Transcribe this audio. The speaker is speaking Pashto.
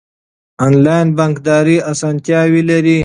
انلاین بانکداري اسانتیاوې لري.